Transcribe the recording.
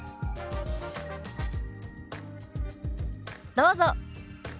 どうぞ。